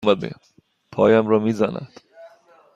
پایم را می زند.